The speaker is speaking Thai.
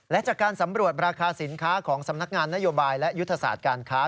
และจากการสำรวจราคาสินค้าของสำนักงานนโยบายและยุทธศาสตร์การค้า